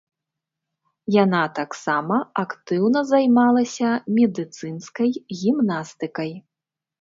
Яна таксама актыўна займалася медыцынскай гімнасткай.